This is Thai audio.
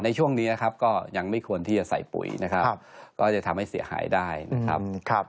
ในช่วงนี้นะครับก็ยังไม่ควรที่จะใส่ปุ๋ยนะครับก็จะทำให้เสียหายได้นะครับ